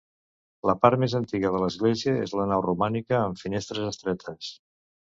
La part més antiga de l'església és la nau romànica amb finestres estretes.